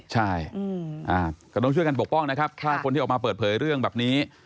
ใช่ก็ต้องช่วยกันปกป้องนะครับถ้าคนที่ออกมาเปิดเผยเรื่องแบบนี้